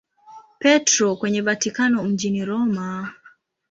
Petro kwenye Vatikano mjini Roma.